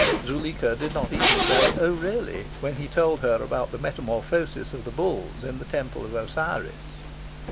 Zuleika did not even say "Oh really?" when he told her about the metamorphosis of the bulls in the Temple of Osiris.